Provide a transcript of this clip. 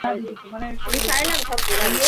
প্রাণশক্তির ব্যবহারের নিমিত্ত মনই মহা যন্ত্রস্বরূপ।